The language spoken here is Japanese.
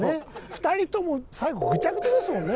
２人とも最後ぐちゃぐちゃですもんね。